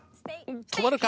止まるか？